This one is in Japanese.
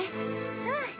うん！